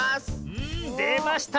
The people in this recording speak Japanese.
うんでました！